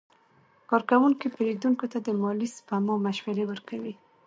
کارکوونکي پیرودونکو ته د مالي سپما مشورې ورکوي.